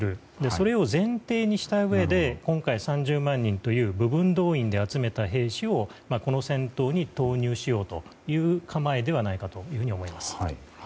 それを前提にしたうえで今回３０万人という部分動員で集めた兵士をこの戦闘に投入しようという構えではないかと思います。